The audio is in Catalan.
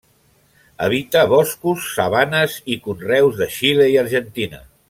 Habita boscos, sabanes i conreus de Xile i Argentina.